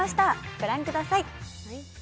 ご覧ください。